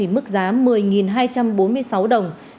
mức giá một mươi hai trăm bốn mươi sáu đồng